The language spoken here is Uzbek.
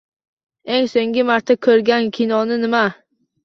Eng so'nggi marta k'organ kinoing nima?